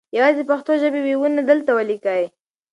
یوازې د پښتو ژبې وییونه دلته وليکئ